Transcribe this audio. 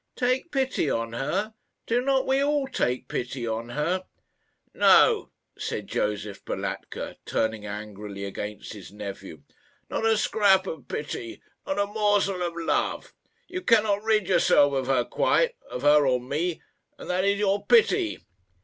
"Take pity on her! Do not we all take pity on her?" "No," said Josef Balatka, turning angrily against his nephew; "not a scrap of pity not a morsel of love. You cannot rid yourself of her quite of her or me and that is your pity."